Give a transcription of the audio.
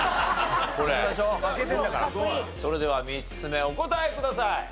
それでは３つ目お答えください。